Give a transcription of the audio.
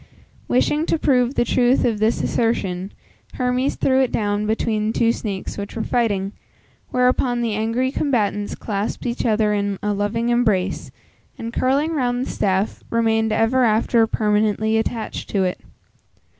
Wishing to prove the truth of this assertion, Hermes threw it down between two snakes which were fighting, whereupon the angry combatants clasped each other in a loving embrace, and curling round the staff, remained ever after permanently attached to it.